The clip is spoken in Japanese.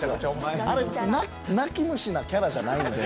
泣き虫なキャラじゃないので。